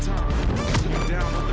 tidak dia sudah kembali